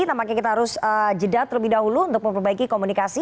nampaknya kita harus jeda terlebih dahulu untuk memperbaiki komunikasi